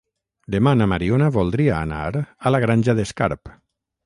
Demà na Mariona voldria anar a la Granja d'Escarp.